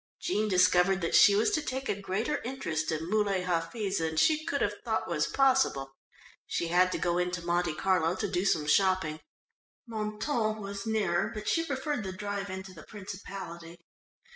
Jean discovered that she was to take a greater interest in Muley Hafiz than she could have thought was possible. She had to go into Monte Carlo to do some shopping. Mentone was nearer, but she preferred the drive into the principality.